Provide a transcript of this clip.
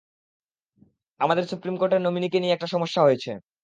আমাদের সুপ্রিম কোর্টের নমিনিকে নিয়ে একটা সমস্যা হয়েছে।